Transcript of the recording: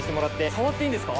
触っていいんですか？